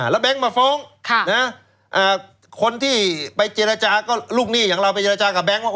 แล้วแบงค์มาฟ้องคนที่ไปเจรจาก็ลูกหนี้อย่างเราไปเจรจากับแก๊งว่า